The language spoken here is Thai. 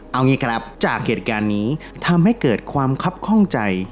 เอางี้ครับจากเหตุการณ์นี้ทำให้เกิดความคับข้องใจ